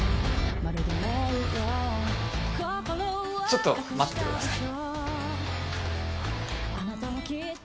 ちょっと待っててください。